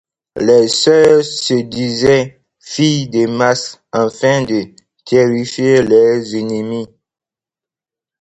Les sœurs se disaient filles de Mars afin de terrifier leurs ennemis.